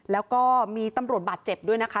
แล้วก็มีตำรวจบาดเจ็บด้วยนะคะ